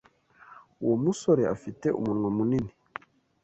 Uwo musore afite umunwa munini.